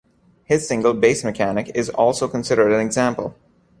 His single "Bass Mechanic" is also considered an example.